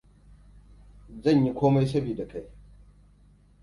Zan yi komai sabida kai.